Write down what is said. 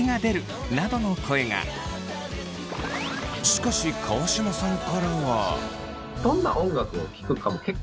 しかし川島さんからは。